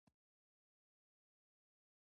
ازليت او ابديت تشريح کوي